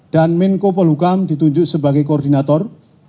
dan menko polukam ditunjuk sebagai koordinator